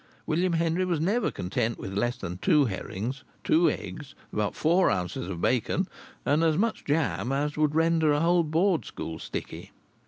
William Henry was never content with less than two herrings, two eggs, about four ounces of bacon, and as much jam as would render a whole Board school sticky.